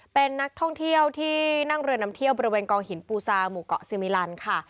เป็นนักท่องเที่ยวที่นั่งเรือนำเที่ยวบริเวณกองหินปูซาหมู่เกาะซีมิลันค่ะ